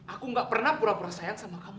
aku gak pernah pura pura sayat sama kamu